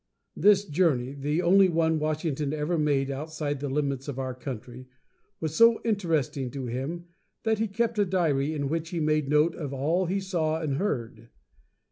This journey, the only one Washington ever made outside the limits of our country, was so interesting to him that he kept a diary in which he made note of all he saw and heard.